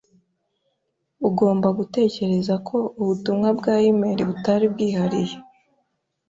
Ugomba gutekereza ko ubutumwa bwa imeri butari bwihariye.